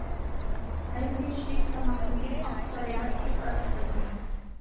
ھەر كۈنى چۈشلۈك تاماقتىن كېيىن، ئاق سارايدا ئىككى سائەت ئۇخلايتتى.